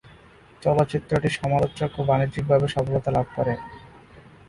চলচ্চিত্রটি সমালোচক ও বাণিজ্যিকভাবে সফলতা লাভ করে।